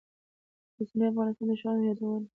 د اوسني افغانستان د ښارونو یادونه.